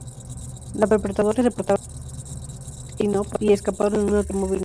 Los perpetradores portaban rifles Kalashnikov y escaparon en un automóvil negro.